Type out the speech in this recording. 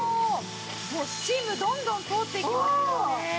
もうスチームどんどん通っていきますもんね。